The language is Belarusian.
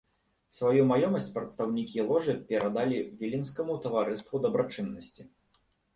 Сваю маёмасць прадстаўнікі ложы перадалі віленскаму таварыству дабрачыннасці.